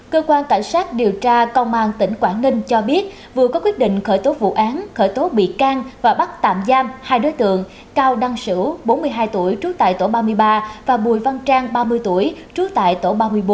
cơ quan cảnh sát điều tra công an tỉnh quảng ninh cho biết vừa có quyết định khởi tố vụ án khởi tố bị can và bắt tạm giam hai đối tượng cao đăng sử bốn mươi hai tuổi trú tại tổ ba mươi ba và bùi văn trang ba mươi tuổi trú tại tổ ba mươi bốn